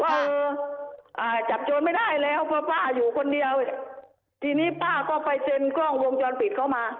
เอออ่าจับโจรไม่ได้แล้วเพราะป้าอยู่คนเดียวทีนี้ป้าก็ไปเซ็นกล้องวงจรปิดเขามา